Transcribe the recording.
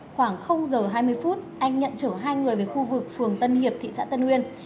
khoảng giờ hai mươi phút anh nhận chở hai người về khu vực phường tân hiệp thị xã tân uyên